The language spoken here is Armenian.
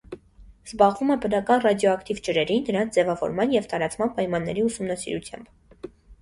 Զբաղվում է բնական ռադիոակտիվ ջրերի, նրանց ձևավորման ու տարածման պայմանների ուսումնասիրությամբ։